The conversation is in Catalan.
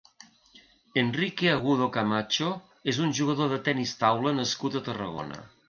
Enrique Agudo Camacho és un jugador de tennis taula nascut a Tarragona.